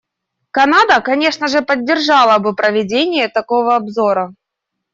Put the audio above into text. Канада, конечно же, поддержала бы проведение такого обзора.